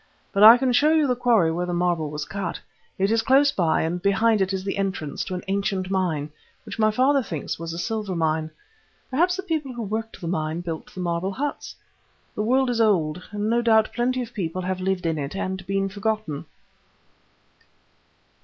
But I can show you the quarry where the marble was cut; it is close by and behind it is the entrance to an ancient mine, which my father thinks was a silver mine. Perhaps the people who worked the mine built the marble huts. The world is old, and no doubt plenty of people have lived in it and been forgotten."